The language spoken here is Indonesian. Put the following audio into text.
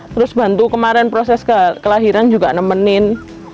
terus bantu kemarin proses kelahiran juga nemenin